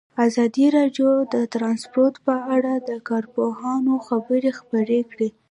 ازادي راډیو د ترانسپورټ په اړه د کارپوهانو خبرې خپرې کړي.